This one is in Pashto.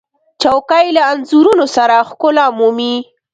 چوکۍ له انځورونو سره ښکلا مومي.